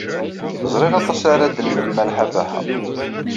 Ẓriɣ aṭas ara d-telmed Malḥa Baḥa.